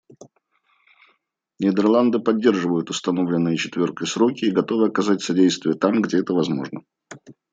Нидерланды поддерживают установленные «четверкой» сроки и готовы оказать содействие там, где это возможно.